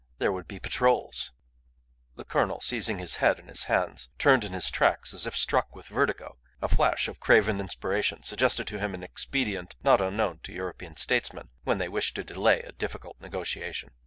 There would be patrols! The colonel, seizing his head in his hands, turned in his tracks as if struck with vertigo. A flash of craven inspiration suggested to him an expedient not unknown to European statesmen when they wish to delay a difficult negotiation.